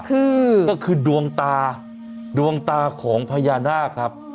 คือก็คือดวงตาดวงตาของพญานาคครับ